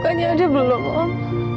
ada belum om